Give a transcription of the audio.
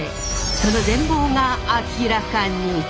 その全貌が明らかに！